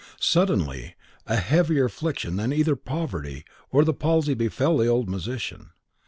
Suddenly a heavier affliction than either poverty or the palsy befell the old musician.